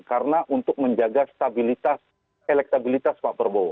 karena untuk menjaga stabilitas elektabilitas pak prabowo